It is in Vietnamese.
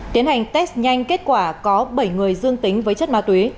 tiến hành test nhanh kết quả có bảy người dương tính với chất ma túy